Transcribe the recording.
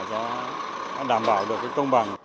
nó đảm bảo được cái công bằng